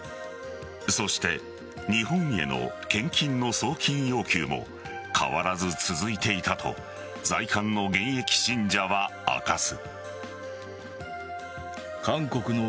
そして、日本への献金の送金要求も変わらず続いていたと在韓の現役信者は明かす。